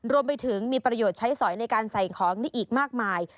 รวมไปถึงมีประโยชน์ใช้สอยในการใส่ของนี่อีกมากมาย